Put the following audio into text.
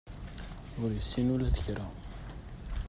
Ur issin ula d kra.